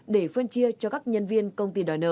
để phân chia cho các nhân viên công ty đòi nợ